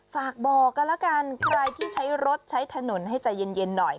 ฝากบอกกันแล้วกันใครที่ใช้รถใช้ถนนให้ใจเย็นหน่อย